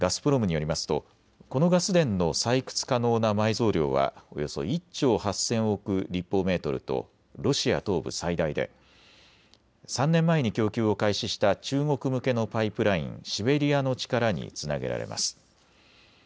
ガスプロムによりますとこのガス田の採掘可能な埋蔵量はおよそ１兆８０００億立方メートルとロシア東部最大で３年前に供給を開始した中国向けのパイプラインシベリアの力につなげられます。